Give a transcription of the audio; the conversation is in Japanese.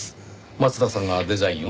松田さんがデザインを？